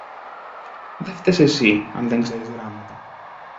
Δε φταις εσύ αν δεν ξέρεις γράμματα!